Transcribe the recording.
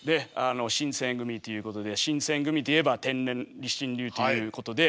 新選組ということで新選組といえば天然理心流ということで